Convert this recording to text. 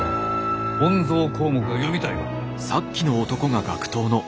「本草綱目」が読みたいか？